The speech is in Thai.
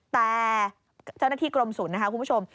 แต่เจ้าหน้าที่กรมศูนย์นะคะคุณผู้ชม